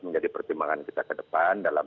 menjadi pertimbangan kita ke depan dalam